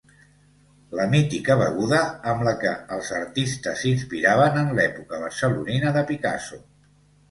La mítica beguda amb què els artistes s'inspiraven en l'època barcelonina de Picasso.